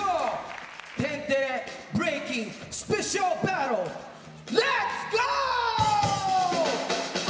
「天てれブレイキン」スペシャルバトルレッツゴー！